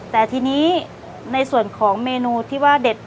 แต่ทีนี้ในส่วนของเมนูที่ว่าเด็ด